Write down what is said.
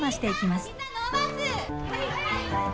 はい！